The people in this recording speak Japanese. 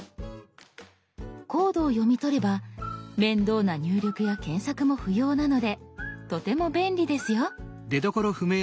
コードを読み取れば面倒な入力や検索も不要なのでとても便利ですよ。